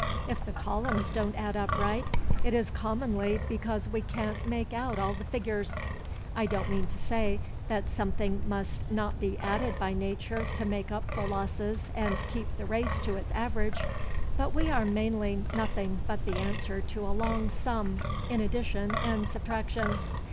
If the columns don't add up right, it is commonly because we can't make out all the figures. I don't mean to say that something may not be added by Nature to make up for losses and keep the race to its average, but we are mainly nothing but the answer to a long sum in addition and subtraction.